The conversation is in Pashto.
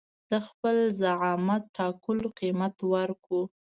د خپل زعامت ټاکلو قيمت ورکړو.